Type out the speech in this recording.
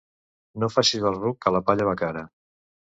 No facis el ruc, que la palla va cara.